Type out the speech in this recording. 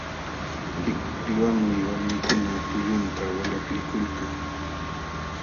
Tikpiwanmi walmikuna pullunta walaklikulkan.